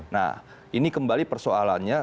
nah ini kembali persoalannya